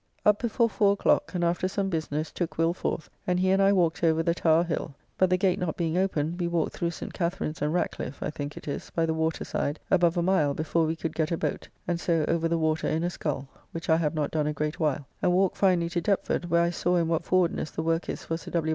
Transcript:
Up before four o'clock, and after some business took Will forth, and he and I walked over the Tower Hill, but the gate not being open we walked through St. Catharine's and Ratcliffe (I think it is) by the waterside above a mile before we could get a boat, and so over the water in a scull (which I have not done a great while), and walked finally to Deptford, where I saw in what forwardness the work is for Sir W.